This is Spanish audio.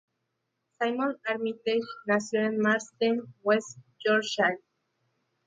Simon Armitage nació en Marsden, West Yorkshire.